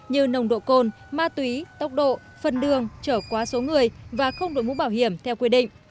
như nồng độ côn ma túy tốc độ phần đường chở quá số người và không đổi mũ bảo hiểm theo quy định